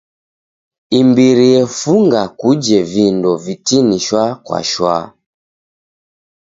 Imbiri efunga kuje vindo vitini shwa kwa shwa.